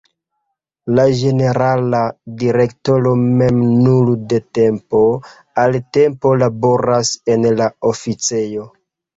La ĝenerala direktoro mem nur de tempo al tempo laboras en la oficejo.